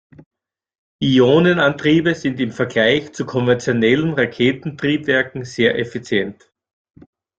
Ionenantriebe sind im Vergleich zu konventionellen Raketentriebwerken sehr effizient.